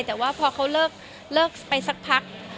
แต่ว่าพอเขาเลิกไปสักพัก